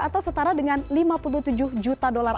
atau setara dengan lima puluh tujuh juta dolar